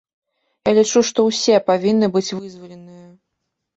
Я лічу, што ўсе павінны быць вызваленыя.